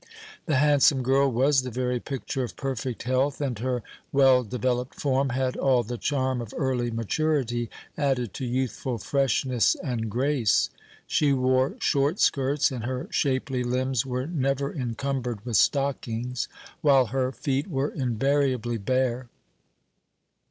The handsome girl was the very picture of perfect health, and her well developed form had all the charm of early maturity, added to youthful freshness and grace. She wore short skirts, and her shapely limbs were never encumbered with stockings, while her feet were invariably bare.